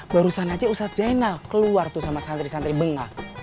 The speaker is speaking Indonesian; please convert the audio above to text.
barusan aja ustadz zainal keluar tuh sama santri santri bengah